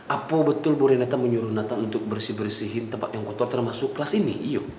apa betul bu renata menyuruh nata untuk bersih bersihin tempat yang kotor termasuk kelas ini yuk